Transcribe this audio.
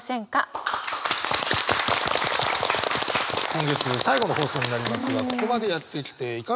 今月最後の放送になりますがここまでやってきていかがでしょうか？